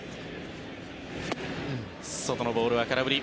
外のボールは空振り。